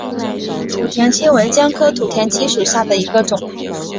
土田七为姜科土田七属下的一个种。